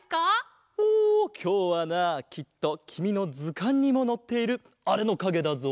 おきょうはなきっときみのずかんにものっているあれのかげだぞ。